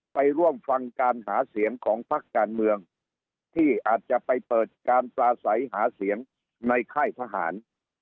ไปร่วมฟังการหาเสียงของพักการเมืองที่อาจจะไปเปิดการปลาใสหาเสียงในค่ายทหาร